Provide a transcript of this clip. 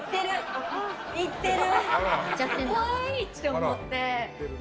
行ってる！